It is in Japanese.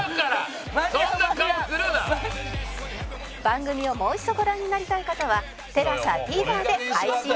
番組をもう一度ご覧になりたい方は ＴＥＬＡＳＡＴＶｅｒ で配信